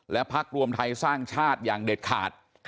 และพักรวมไทยสร้างชาติอย่างเด็ดขาด